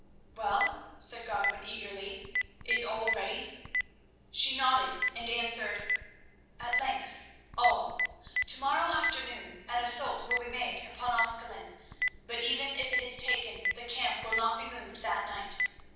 "Well," said Godwin eagerly, "is all ready?" She nodded and answered: "At length, all. To morrow afternoon an assault will be made upon Ascalon, but even if it is taken the camp will not be moved that night.